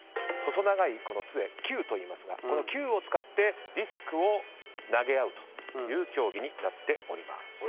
細長いこの杖キューといいますがこのキューを使ってディスクを投げ合うという競技になっております。